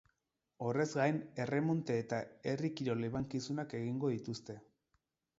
Horrez gain, erremonte eta herri kirol emankizunak egingo dituzte.